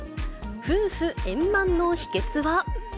夫婦円満の秘けつは。